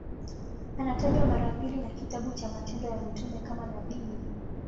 Anatajwa mara mbili na kitabu cha Matendo ya Mitume kama nabii.